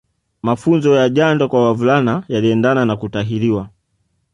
Mafunzo ya jando kwa wavulana yaliendana na kutahiriwa